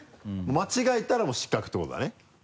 間違えたらもう失格ってことだね。